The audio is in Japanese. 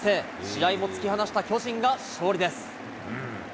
試合も突き放した巨人が勝利です。